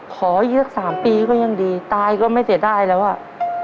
ขออีกสัก๓ปีก็ยังดีตายก็ไม่เสียดายแล้วอ่ะ